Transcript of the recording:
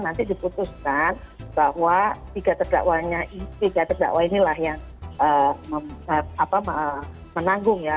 nanti diputuskan bahwa tiga terdakwa inilah yang menanggung ya